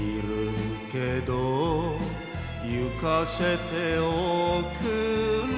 「行かせておくれ」